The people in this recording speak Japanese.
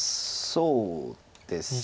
そうですね。